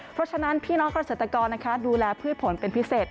เพราะฉะนั้นพี่น้องเกษตรกรดูแลพืชผลเป็นพิเศษ